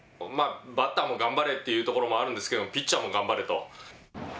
バッターも頑張れというところもあるんですけれども、ピッチャーも頑張れと。